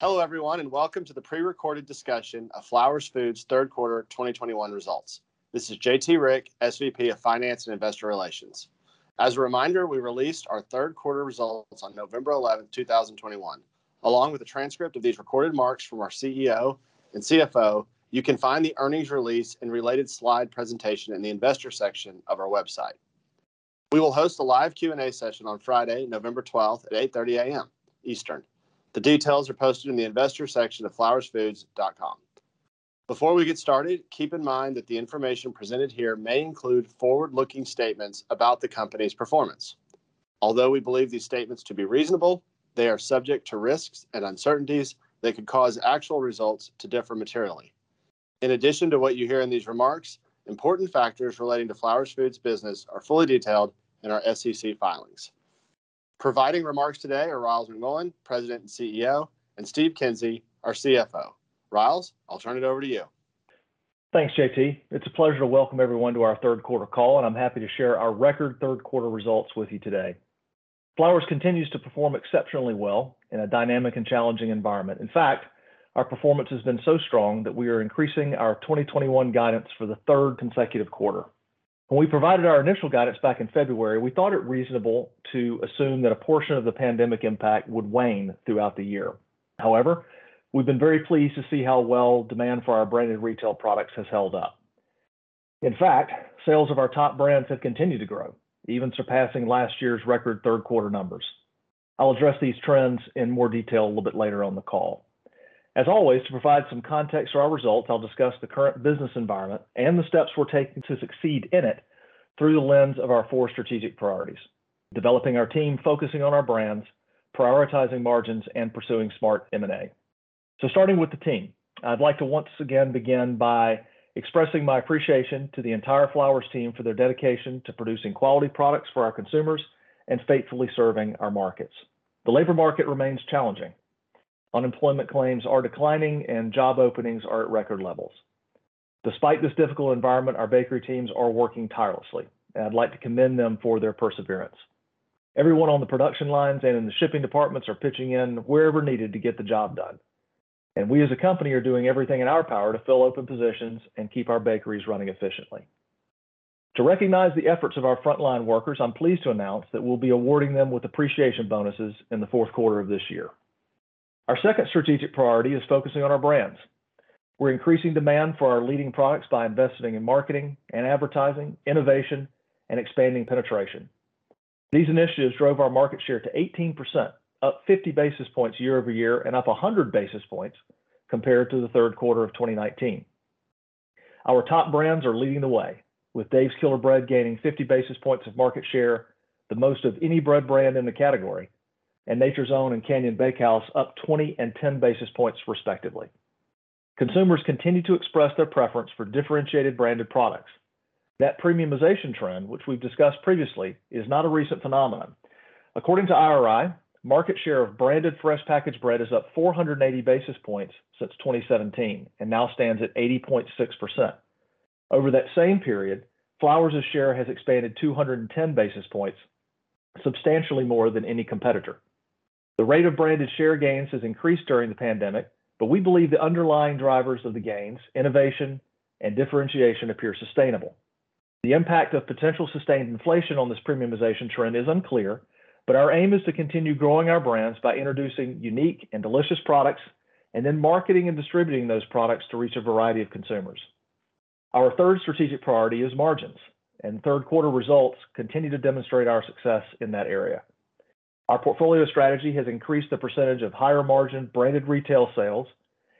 Hello everyone and welcome to the pre-recorded discussion of Flowers Foods third quarter 2021 results. This is J.T. Rieck, SVP of Finance and Investor Relations. As a reminder, we released our third quarter results on November 11, 2021. Along with the transcript of these recorded remarks from our CEO and CFO, you can find the earnings release and related slide presentation in the investor section of our website. We will host a live Q&A session on Friday, November 12 at 8:30 A.M. Eastern. The details are posted in the investor section of flowersfoods.com. Before we get started, keep in mind that the information presented here may include forward-looking statements about the company's performance. Although we believe these statements to be reasonable, they are subject to risks and uncertainties that could cause actual results to differ materially. In addition to what you hear in these remarks, important factors relating to Flowers Foods' business are fully detailed in our SEC filings. Providing remarks today are Ryals McMullian, President and CEO, and Steve Kinsey, our CFO. Ryals, I'll turn it over to you. Thanks, J.T. It's a pleasure to welcome everyone to our third quarter call, and I'm happy to share our record third quarter results with you today. Flowers continues to perform exceptionally well in a dynamic and challenging environment. In fact, our performance has been so strong that we are increasing our 2021 guidance for the third consecutive quarter. When we provided our initial guidance back in February, we thought it reasonable to assume that a portion of the pandemic impact would wane throughout the year. However, we've been very pleased to see how well demand for our Branded Retail products has held up. In fact, sales of our top brands have continued to grow, even surpassing last year's record third quarter numbers. I'll address these trends in more detail a little bit later on the call. As always, to provide some context to our results, I'll discuss the current business environment and the steps we're taking to succeed in it through the lens of our four strategic priorities: developing our team, focusing on our brands, prioritizing margins, and pursuing smart M&A. Starting with the team, I'd like to once again begin by expressing my appreciation to the entire Flowers team for their dedication to producing quality products for our consumers and faithfully serving our markets. The labor market remains challenging. Unemployment claims are declining and job openings are at record levels. Despite this difficult environment, our bakery teams are working tirelessly, and I'd like to commend them for their perseverance. Everyone on the production lines and in the shipping departments are pitching in wherever needed to get the job done. We as a company are doing everything in our power to fill open positions and keep our bakeries running efficiently. To recognize the efforts of our frontline workers, I'm pleased to announce that we'll be awarding them with appreciation bonuses in the fourth quarter of this year. Our second strategic priority is focusing on our brands. We're increasing demand for our leading products by investing in marketing and advertising, innovation, and expanding penetration. These initiatives drove our market share to 18%, up 50 basis points year-over-year and up 100 basis points compared to the third quarter of 2019. Our top brands are leading the way, with Dave's Killer Bread gaining 50 basis points of market share, the most of any bread brand in the category, and Nature's Own and Canyon Bakehouse up 20 basis points and 10 basis points respectively. Consumers continue to express their preference for differentiated branded products. That premiumization trend, which we've discussed previously, is not a recent phenomenon. According to IRI, market share of branded fresh packaged bread is up 480 basis points since 2017 and now stands at 80.6%. Over that same period, Flowers' share has expanded 210 basis points, substantially more than any competitor. The rate of branded share gains has increased during the pandemic, but we believe the underlying drivers of the gains, innovation and differentiation, appear sustainable. The impact of potential sustained inflation on this premiumization trend is unclear, but our aim is to continue growing our brands by introducing unique and delicious products and then marketing and distributing those products to reach a variety of consumers. Our third strategic priority is margins, and third quarter results continue to demonstrate our success in that area. Our portfolio strategy has increased the percentage of higher margin Branded Retail sales,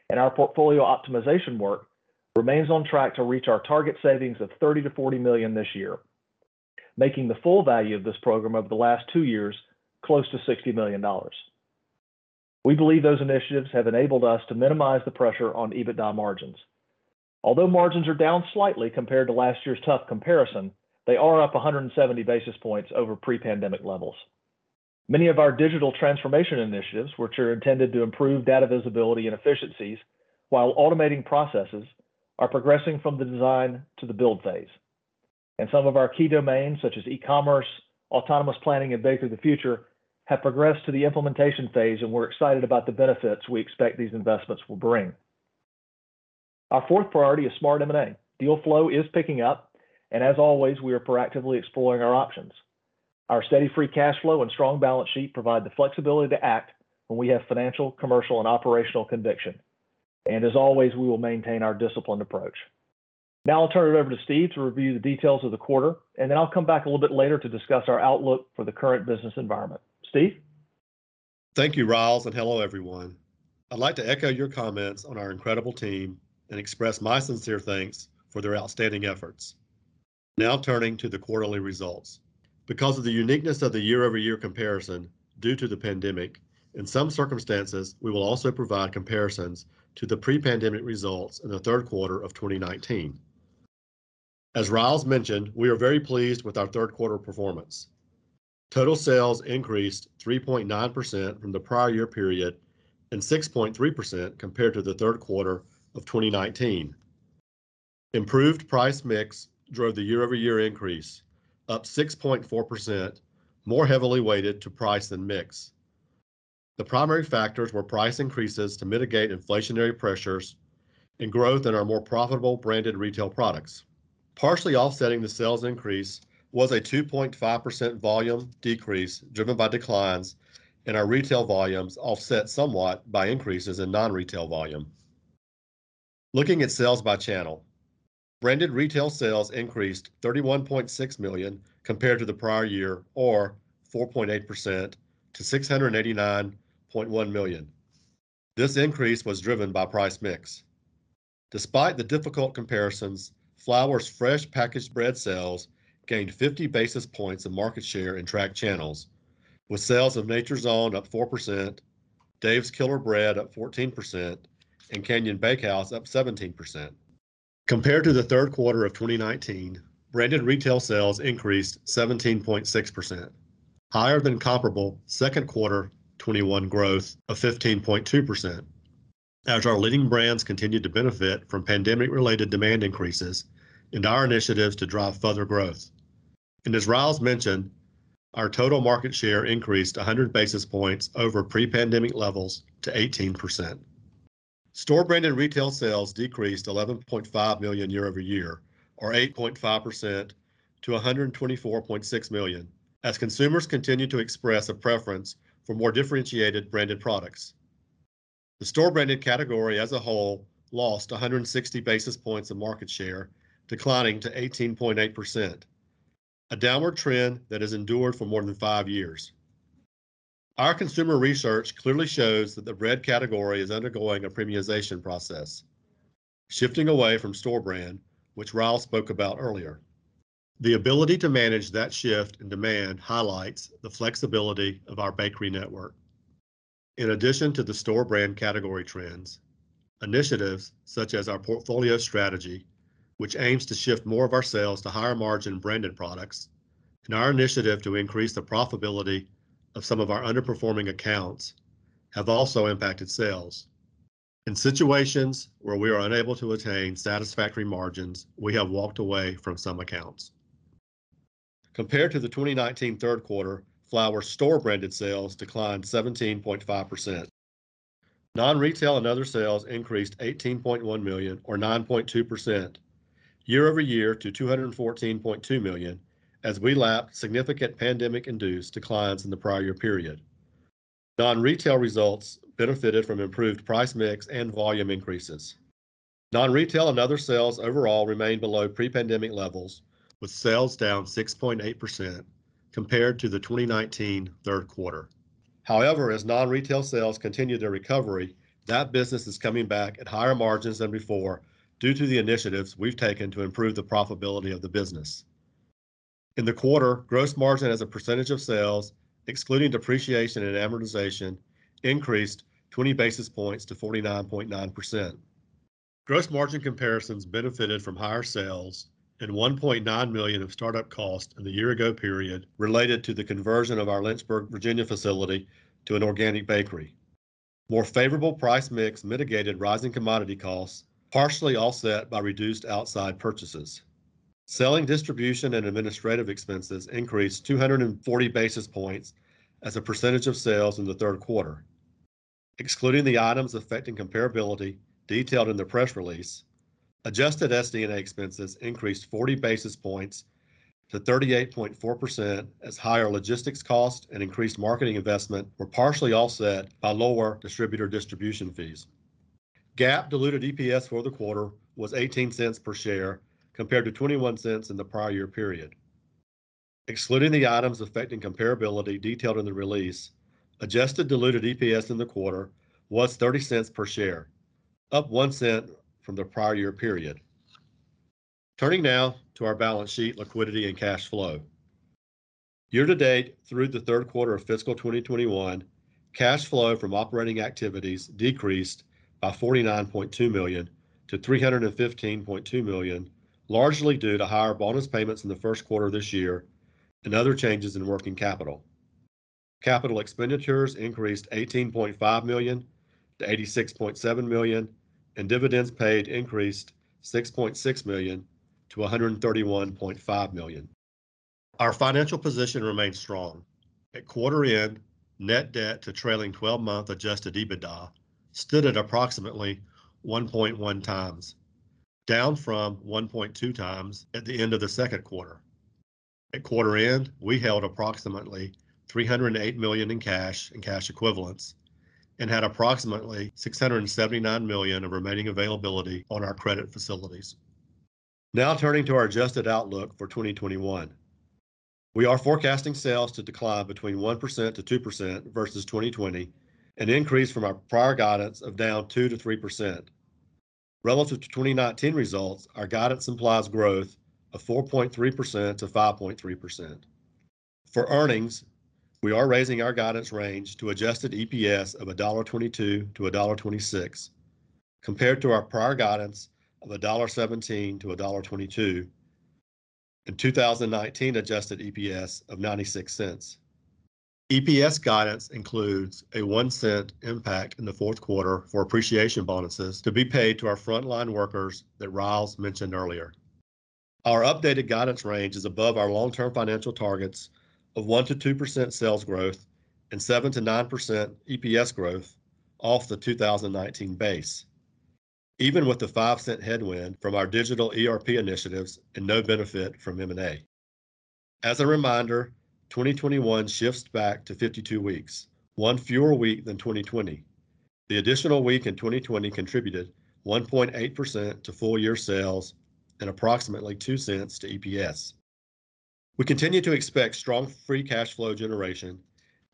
and our portfolio optimization work remains on track to reach our target savings of $30 million-$40 million this year, making the full value of this program over the last two years close to $60 million. We believe those initiatives have enabled us to minimize the pressure on EBITDA margins. Although margins are down slightly compared to last year's tough comparison, they are up 170 basis points over pre-pandemic levels. Many of our digital transformation initiatives, which are intended to improve data visibility and efficiencies while automating processes, are progressing from the design to the build phase. Some of our key domains, such as e-commerce, autonomous planning, and Bakery of the Future, have progressed to the implementation phase, and we're excited about the benefits we expect these investments will bring. Our fourth priority is smart M&A. Deal flow is picking up, and as always, we are proactively exploring our options. Our steady free cash flow and strong balance sheet provide the flexibility to act when we have financial, commercial, and operational conviction. As always, we will maintain our disciplined approach. Now I'll turn it over to Steve to review the details of the quarter, and then I'll come back a little bit later to discuss our outlook for the current business environment. Steve? Thank you, Ryals McMullian, and hello, everyone. I'd like to echo your comments on our incredible team and express my sincere thanks for their outstanding efforts. Now turning to the quarterly results. Because of the uniqueness of the year-over-year comparison due to the pandemic, in some circumstances, we will also provide comparisons to the pre-pandemic results in the third quarter of 2019. As Ryals McMullian mentioned, we are very pleased with our third quarter performance. Total sales increased 3.9% from the prior year period and 6.3% compared to the third quarter of 2019. Improved price mix drove the year-over-year increase, up 6.4%, more heavily weighted to price than mix. The primary factors were price increases to mitigate inflationary pressures and growth in our more profitable Branded Retail products. Partially offsetting the sales increase was a 2.5% volume decrease driven by declines in our retail volumes offset somewhat by increases in non-retail volume. Looking at sales by channel, Branded Retail sales increased $31.6 million compared to the prior year or 4.8% to $689.1 million. This increase was driven by price mix. Despite the difficult comparisons, Flowers Foods' fresh packaged bread sales gained 50 basis points of market share in tracked channels with sales of Nature's Own up 4%, Dave's Killer Bread up 14% and Canyon Bakehouse up 17%. Compared to the third quarter of 2019, Branded Retail sales increased 17.6%, higher than comparable second quarter 2021 growth of 15.2% as our leading brands continued to benefit from pandemic-related demand increases and our initiatives to drive further growth. As Ryals mentioned, our total market share increased 100 basis points over pre-pandemic levels to 18%. Store branded retail sales decreased $11.5 million year-over-year or 8.5% to $124.6 million as consumers continued to express a preference for more differentiated branded products. The store branded category as a whole lost 160 basis points of market share, declining to 18.8%, a downward trend that has endured for more than five years. Our consumer research clearly shows that the bread category is undergoing a premiumization process, shifting away from store brand, which Ryals spoke about earlier. The ability to manage that shift in demand highlights the flexibility of our bakery network. In addition to the store brand category trends, initiatives such as our portfolio strategy, which aims to shift more of our sales to higher margin branded products, and our initiative to increase the profitability of some of our underperforming accounts have also impacted sales. In situations where we are unable to attain satisfactory margins, we have walked away from some accounts. Compared to the 2019 third quarter, Flowers store branded sales declined 17.5%. Non-retail and other sales increased $18.1 million or 9.2% year-over-year to $214.2 million as we lapped significant pandemic-induced declines in the prior period. Non-retail results benefited from improved price mix and volume increases. Non-retail and other sales overall remained below pre-pandemic levels, with sales down 6.8% compared to the 2019 third quarter. However, as non-retail sales continue their recovery, that business is coming back at higher margins than before due to the initiatives we've taken to improve the profitability of the business. In the quarter, gross margin as a percentage of sales, excluding depreciation and amortization, increased 20 basis points to 49.9%. Gross margin comparisons benefited from higher sales and $1.9 million of startup costs in the year ago period related to the conversion of our Lynchburg, Virginia facility to an organic bakery. More favorable price mix mitigated rising commodity costs, partially offset by reduced outside purchases. Selling, distribution, and administrative expenses increased 240 basis points as a percentage of sales in the third quarter. Excluding the items affecting comparability detailed in the press release, adjusted SD&A expenses increased 40 basis points to 38.4% as higher logistics costs and increased marketing investment were partially offset by lower distributor distribution fees. GAAP diluted EPS for the quarter was $0.18 per share, compared to $0.21 in the prior year period. Excluding the items affecting comparability detailed in the release, adjusted diluted EPS in the quarter was $0.30 per share, up $0.01 from the prior year period. Turning now to our balance sheet liquidity and cash flow. Year to date through the third quarter of fiscal 2021, cash flow from operating activities decreased by $49.2 million - $315.2 million, largely due to higher bonus payments in the first quarter this year and other changes in working capital. Capital expenditures increased $18.5 million - $86.7 million, and dividends paid increased $6.6 million - $131.5 million. Our financial position remains strong. At quarter end, net debt to trailing 12-month adjusted EBITDA stood at approximately 1.1x, down from 1.2x at the end of the second quarter. At quarter end, we held approximately $308 million in cash and cash equivalents and had approximately $679 million of remaining availability on our credit facilities. Now turning to our adjusted outlook for 2021. We are forecasting sales to decline between 1%-2% versus 2020, an increase from our prior guidance of down 2%-3%. Relative to 2019 results, our guidance implies growth of 4.3%-5.3%. For earnings, we are raising our guidance range to adjusted EPS of $1.22-$1.26, compared to our prior guidance of $1.17-$1.22. In 2019, adjusted EPS of $0.96. EPS guidance includes a $0.01 impact in the fourth quarter for appreciation bonuses to be paid to our frontline workers that Ryals mentioned earlier. Our updated guidance range is above our long-term financial targets of 1%-2% sales growth and 7%-9% EPS growth off the 2019 base, even with the $0.05 headwind from our digital ERP initiatives and no benefit from M&A. As a reminder, 2021 shifts back to 52 weeks, one fewer week than 2020. The additional week in 2020 contributed 1.8% to full year sales and approximately $0.02 to EPS. We continue to expect strong free cash flow generation,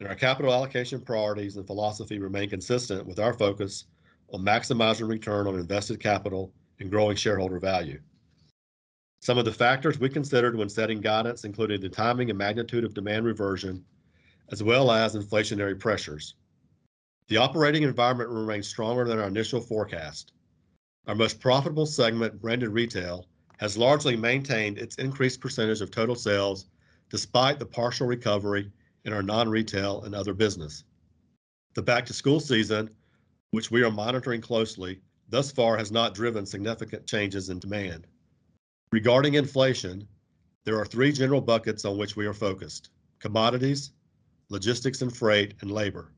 and our capital allocation priorities and philosophy remain consistent with our focus on maximizing return on invested capital and growing shareholder value. Some of the factors we considered when setting guidance included the timing and magnitude of demand reversion, as well as inflationary pressures. The operating environment remains stronger than our initial forecast. Our most profitable segment, Branded Retail, has largely maintained its increased percentage of total sales despite the partial recovery in our non-retail and other business. The back-to-school season, which we are monitoring closely thus far, has not driven significant changes in demand. Regarding inflation, there are three general buckets on which we are focused, commodities, logistics and freight, and labor.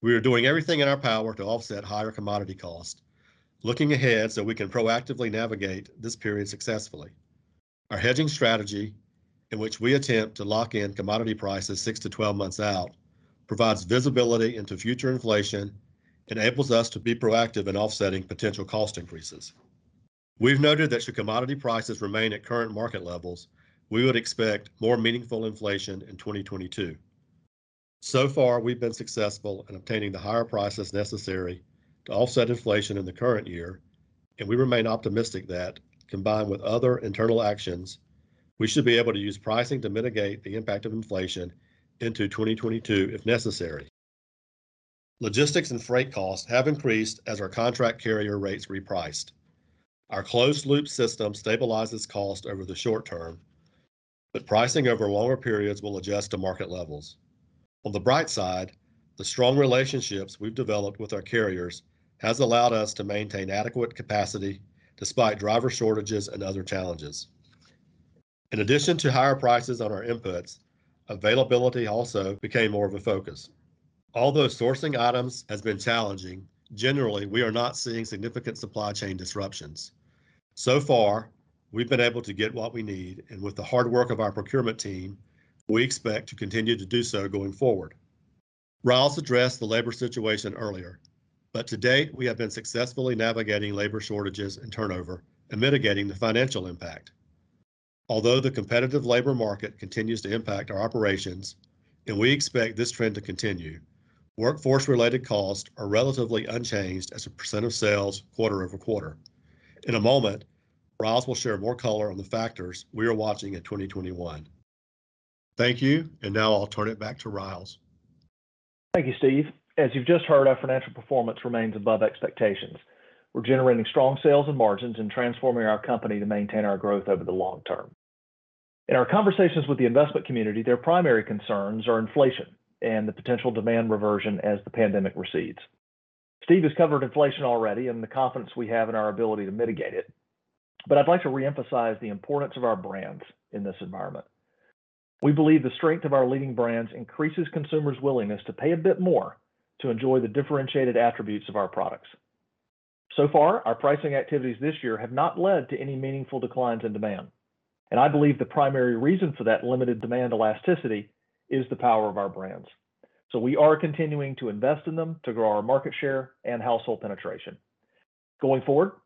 We are doing everything in our power to offset higher commodity costs. Looking ahead so we can proactively navigate this period successfully. Our hedging strategy, in which we attempt to lock in commodity prices six months-12 months out, provides visibility into future inflation, enables us to be proactive in offsetting potential cost increases. We've noted that should commodity prices remain at current market levels, we would expect more meaningful inflation in 2022. So far, we've been successful in obtaining the higher prices necessary to offset inflation in the current year, and we remain optimistic that, combined with other internal actions, we should be able to use pricing to mitigate the impact of inflation into 2022 if necessary. Logistics and freight costs have increased as our contract carrier rates repriced. Our closed loop system stabilizes cost over the short term, but pricing over longer periods will adjust to market levels. On the bright side, the strong relationships we've developed with our carriers has allowed us to maintain adequate capacity despite driver shortages and other challenges. In addition to higher prices on our inputs, availability also became more of a focus. Although sourcing items has been challenging, generally, we are not seeing significant supply chain disruptions. So far, we've been able to get what we need, and with the hard work of our procurement team, we expect to continue to do so going forward. Ryals McMullian addressed the labor situation earlier, but to date, we have been successfully navigating labor shortages and turnover and mitigating the financial impact. Although the comparative labor market continues to impact our operations and we expect this trend to continue, workforce-related costs are relatively unchanged as a % of sales quarter-over-quarter. In a moment, Ryals McMullian will share more color on the factors we are watching in 2021. Thank you, and now I'll turn it back to Ryals McMullian. Thank you, Steve. As you've just heard, our financial performance remains above expectations. We're generating strong sales and margins and transforming our company to maintain our growth over the long term. In our conversations with the investment community, their primary concerns are inflation and the potential demand reversion as the pandemic recedes. Steve has covered inflation already and the confidence we have in our ability to mitigate it, but I'd like to reemphasize the importance of our brands in this environment. We believe the strength of our leading brands increases consumers' willingness to pay a bit more to enjoy the differentiated attributes of our products. So far, our pricing activities this year have not led to any meaningful declines in demand, and I believe the primary reason for that limited demand elasticity is the power of our brands. We are continuing to invest in them to grow our market share and household penetration. Going forward,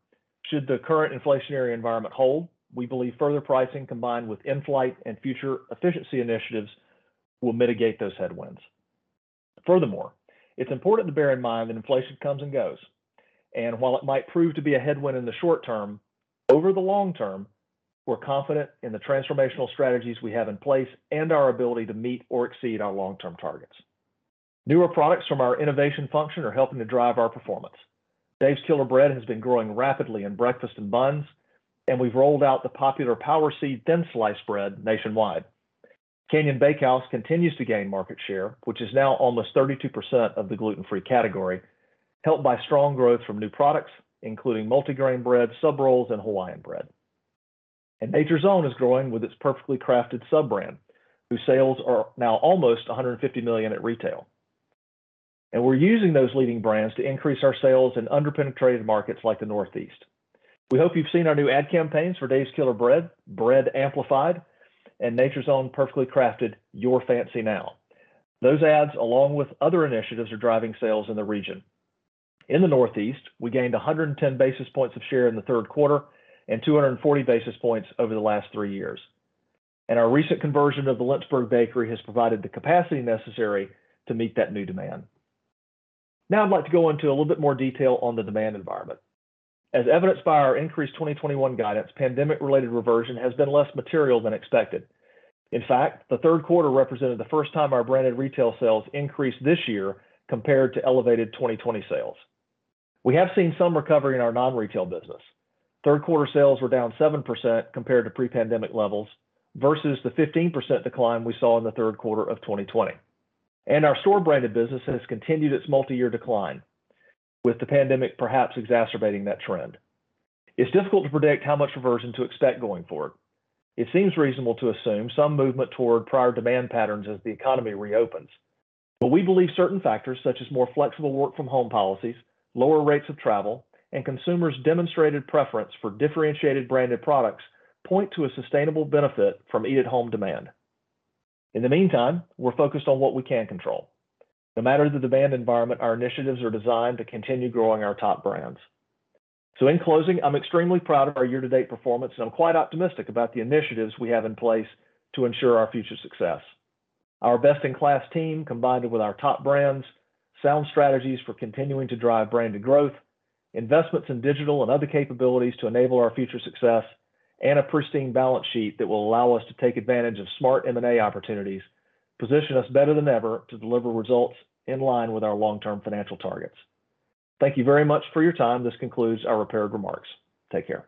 should the current inflationary environment hold, we believe further pricing combined with in-flight and future efficiency initiatives will mitigate those headwinds. Furthermore, it's important to bear in mind that inflation comes and goes, and while it might prove to be a headwind in the short term, over the long term, we're confident in the transformational strategies we have in place and our ability to meet or exceed our long-term targets. Newer products from our innovation function are helping to drive our performance. Dave's Killer Bread has been growing rapidly in breakfast and buns, and we've rolled out the popular Powerseed Thin-Sliced bread nationwide. Canyon Bakehouse continues to gain market share, which is now almost 32% of the gluten-free category, helped by strong growth from new products, including multigrain bread, sub rolls, and Hawaiian bread. Nature's Own is growing with its Perfectly Crafted sub-brand, whose sales are now almost $150 million at retail. We're using those leading brands to increase our sales in under-penetrated markets like the Northeast. We hope you've seen our new ad campaigns for Dave's Killer Bread Amplified, and Nature's Own Perfectly Crafted Your Fancy Now. Those ads, along with other initiatives, are driving sales in the region. In the Northeast, we gained 110 basis points of share in the third quarter and 240 basis points over the last three years. Our recent conversion of the Lynchburg bakery has provided the capacity necessary to meet that new demand. Now I'd like to go into a little bit more detail on the demand environment. As evidenced by our increased 2021 guidance, pandemic-related reversion has been less material than expected. In fact, the third quarter represented the first time our Branded Retail sales increased this year compared to elevated 2020 sales. We have seen some recovery in our non-retail business. Third quarter sales were down 7% compared to pre-pandemic levels versus the 15% decline we saw in the third quarter of 2020. Our store branded business has continued its multi-year decline, with the pandemic perhaps exacerbating that trend. It's difficult to predict how much reversion to expect going forward. It seems reasonable to assume some movement toward prior demand patterns as the economy reopens. We believe certain factors, such as more flexible work from home policies, lower rates of travel, and consumers' demonstrated preference for differentiated branded products point to a sustainable benefit from eat-at-home demand. In the meantime, we're focused on what we can control. No matter the demand environment, our initiatives are designed to continue growing our top brands. In closing, I'm extremely proud of our year-to-date performance, and I'm quite optimistic about the initiatives we have in place to ensure our future success. Our best-in-class team, combined with our top brands, sound strategies for continuing to drive branded growth, investments in digital and other capabilities to enable our future success, and a pristine balance sheet that will allow us to take advantage of smart M&A opportunities, position us better than ever to deliver results in line with our long-term financial targets. Thank you very much for your time. This concludes our prepared remarks. Take care.